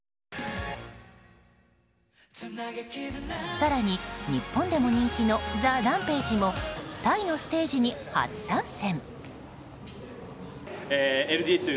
更に、日本でも人気のＴＨＥＲＡＭＰＡＧＥもタイのステージに初参戦。